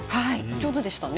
上手でしたね。